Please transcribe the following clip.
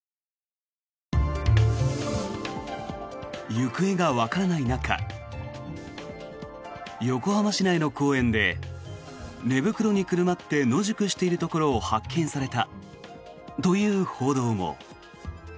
行方がわからない中横浜市内の公園で寝袋にくるまって野宿しているところを発見されたという報道も。